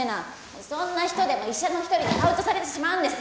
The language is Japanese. そんな人でも医者の一人にカウントされてしまうんです。